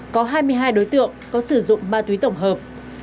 có hai mươi hai đối tượng có sử dụng ma túy tổng hợp